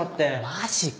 マジかよ。